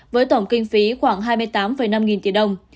với tổng kinh phí khoảng hai mươi tám năm nghìn tỷ đồng